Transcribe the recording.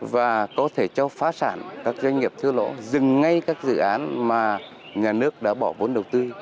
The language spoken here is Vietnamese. và có thể cho phá sản các doanh nghiệp thưa lộ dừng ngay các dự án mà nhà nước đã bỏ vốn đầu tư